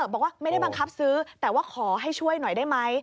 บอกว่าไม่ได้บังคับซื้อแต่ว่าขอให้ช่วยหน่อยได้ไหม